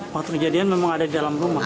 waktu kejadian memang ada di dalam rumah